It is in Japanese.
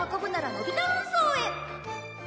のび太運送？